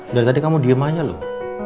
dari tadi kamu diem aja loh